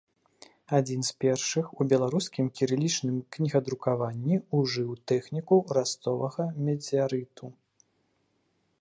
Адзін з першых у беларускім кірылічным кнігадрукаванні ўжыў тэхніку разцовага медзярыту.